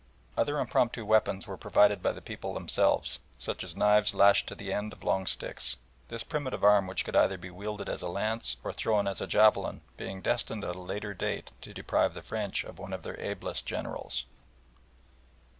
Other impromptu weapons were provided by the people themselves, such as knives lashed to the end of long sticks, this primitive arm which could be either wielded as a lance or thrown as a javelin being destined at a later date to deprive the French of one of their ablest generals.